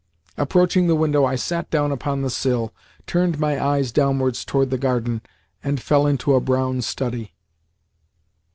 Approaching the window, I sat down upon the sill, turned my eyes downwards towards the garden, and fell into a brown study.